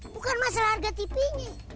bukan masalah harga tipinya